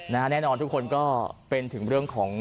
แน่นอนทุกคนก็เป็นถึงเรื่องของ